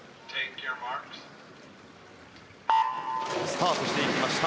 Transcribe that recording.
スタートしていきました。